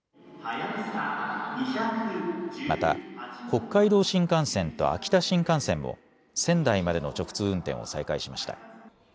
また、北海道新幹線と秋田新幹線も仙台までの直通運転を再開しました。